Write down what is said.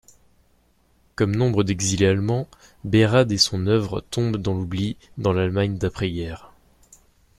Comme nombre d'exilés allemands, Beradt et son œuvre tombent dans l'oubli dans l'Allemagne d'après-guerre.